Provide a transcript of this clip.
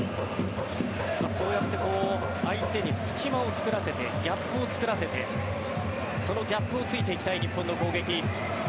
そうやって相手に隙間を作らせてギャップを作らせてそのギャップを突いていきたい日本の攻撃。